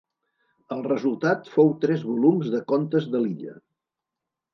El resultat fou tres volums de contes de l'illa.